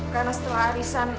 karena setelah arisan